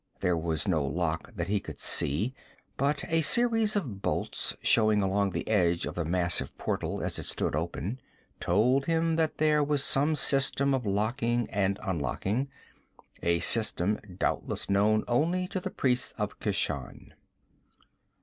There was no lock that he could see, but a series of bolts showing along the edge of the massive portal, as it stood open, told him that there was some system of locking and unlocking a system doubtless known only to the priests of Keshan.